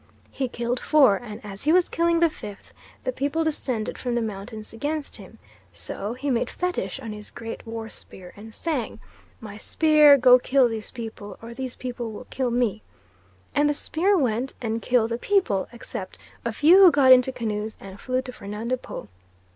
He killed four, and as he was killing the fifth, the people descended from the mountains against him. So he made fetish on his great war spear and sang My spear, go kill these people, Or these people will kill me; and the spear went and killed the people, except a few who got into canoes and flew to Fernando Po.